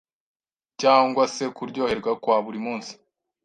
cyangwa se kuryoherwa kwa buri muntu